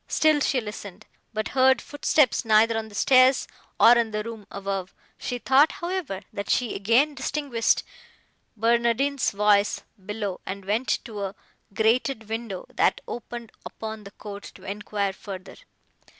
Still she listened, but heard footsteps neither on the stairs, nor in the room above; she thought, however, that she again distinguished Barnardine's voice below, and went to a grated window, that opened upon the court, to enquire further.